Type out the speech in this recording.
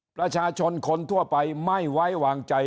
ประชาชนคนทั่วไปไม่ไว้วางใจ